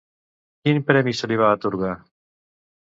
Quin premi se li va atorgar?